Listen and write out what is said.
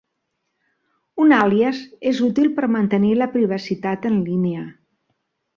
Un àlies és útil per mantenir la privacitat en línia.